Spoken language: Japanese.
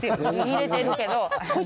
入れてるけど。